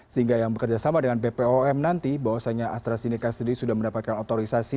sehingga yang bekerjasama dengan ppom nanti bahwasannya astrazeneca sendiri sudah mendapatkan otorisasi